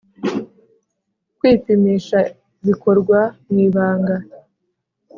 Kwipimisha bikorwa mu ibanga